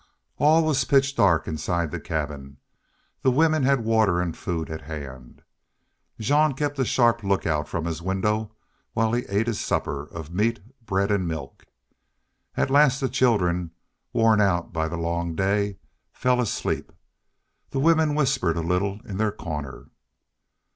All was pitch dark inside the cabin. The women had water and food at hand. Jean kept a sharp lookout from his window while he ate his supper of meat, bread, and milk. At last the children, worn out by the long day, fell asleep. The women whispered a little in their corner.